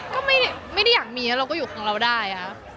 ก็ไม่ได้อยากมีเราก็อยู่ข้างเราได้